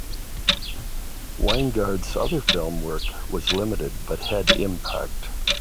Wyngarde's other film work was limited but had impact.